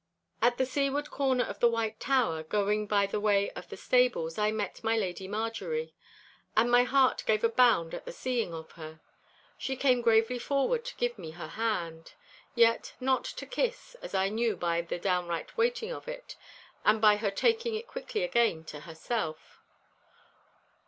At the seaward corner of the White Tower, going by the way of the stables, I met my Lady Marjorie, and my heart gave a bound at the seeing of her. She came gravely forward to give me her hand. Yet not to kiss, as I knew by the downward weighting of it, and by her taking it quickly again to herself.